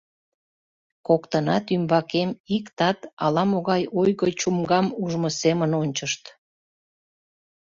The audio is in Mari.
Коктынат ӱмбакем ик тат ала-могай ойго чумгам ужмо семын ончышт.